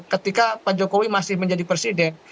ketika pak jokowi masih menjadi presiden